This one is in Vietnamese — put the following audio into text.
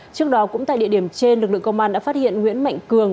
trước đó cũng tại địa điểm trên lực lượng công an đã phát hiện nguyễn mạnh cường